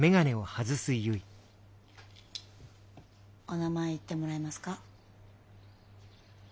お名前言ってもらえますか？